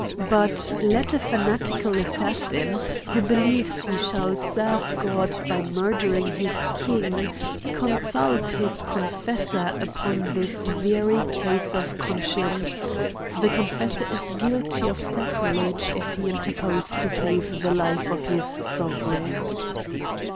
But, let a fanatical assassin, who believes he shall serve God by murdering his king, consult his confessor upon this very case of conscience ;— the confes sor is guilty of sacrilege, if he interpose to save the life of his sovereign.